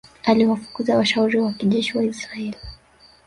Aliwafukuza washauri wa kijeshi wa Israel